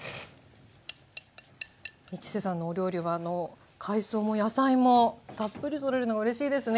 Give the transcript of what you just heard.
市瀬さんのお料理は海藻も野菜もたっぷり取れるのがうれしいですね。